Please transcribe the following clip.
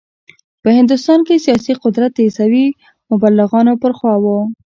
په هندوستان کې سیاسي قدرت د عیسوي مبلغانو پر خوا و.